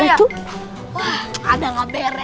itu ada nggak beres